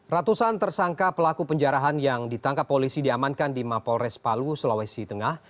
ratusan tersangka pelaku penjarahan yang ditangkap polisi diamankan di mapolres palu sulawesi tengah